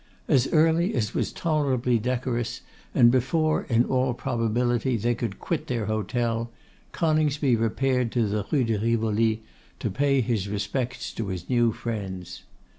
As early as was tolerably decorous, and before, in all probability, they could quit their hotel, Coningsby repaired to the Rue de Rivoli to pay his respects to his new friends.